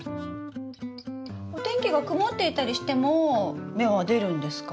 お天気が曇っていたりしても芽は出るんですか？